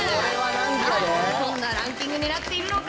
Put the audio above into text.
さあ、どんなランキングになっているのか。